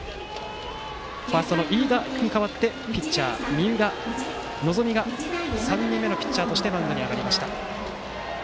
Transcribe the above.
ファーストの飯田に代わってピッチャー、三浦尊神が３人目のピッチャーとしてマウンドに上がりました。